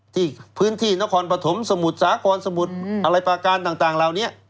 ที่พื้นที่นครปฐมสมุทรสาครสมุทรอะไรปากการต่างเหล่านี้